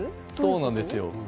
そうなんですよ。